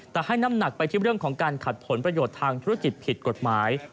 แต่ให้น้ำหนักไปที่เรื่องของการขัดผลประโยชน์ทางธุรกิจผิดกฎหมาย